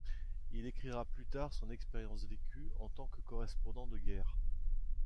Il écrira plus tard son expérience vécue en tant que correspondant de guerre.